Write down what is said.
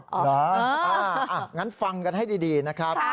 เหรองั้นฟังกันให้ดีนะครับ